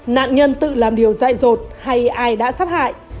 nạn nhân tự làm điều dại dột hay ai đã sát hại